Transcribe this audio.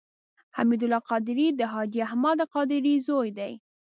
حمید الله قادري د حاجي احمد قادري زوی دی.